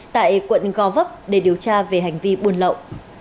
tại quận go vấp để điều tra về hành vi buôn lậu